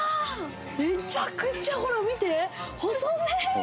めちゃくちゃほら見て細麺